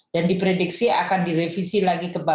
dan diprediksi akan direvisi lagi ke bawah